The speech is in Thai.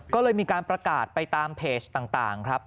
ก็เลยมีการประกาศไปตามเพจต่างครับ